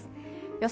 予想